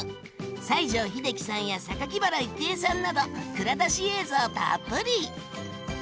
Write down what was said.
西城秀樹さんや原郁恵さんなど蔵出し映像たっぷり！